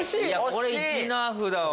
これ１ナーフだわ！